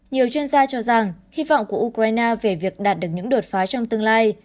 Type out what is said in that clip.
nhiều chuyên gia cho rằng hy vọng của ukraine về việc đạt được những đột phá trong tương lai